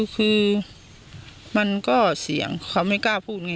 คือมันก็เสียงเขาไม่กล้าพูดไง